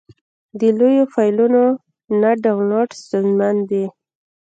د لویو فایلونو نه ډاونلوډ ستونزمن دی.